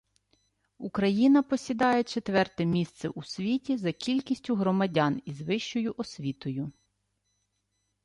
Україна посідає четверте місце у світі за кількістю громадян із вищою освітою